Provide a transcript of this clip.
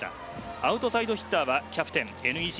アウトサイドヒッターはキャプテンＮＥＣ